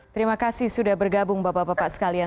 terima kasih sudah bergabung bapak bapak sekalian